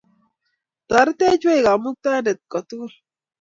Taretech wei kamutaindet kotugul